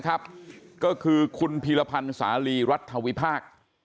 ก็คือคุณพีรพันธ์สาลีรัฐวิพากษ์